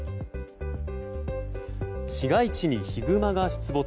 市街地にヒグマが出没。